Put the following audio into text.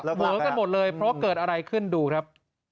เวอกันหมดเลยเพราะเกิดอะไรขึ้นดูครับ